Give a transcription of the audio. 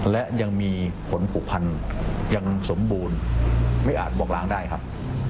และยังมีผลผูกพันยังสมบูรณ์ไม่อาจบอกล้างได้ครับ